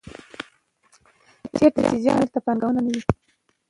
چېرته چې جنګ وي هلته پانګونه نه وي.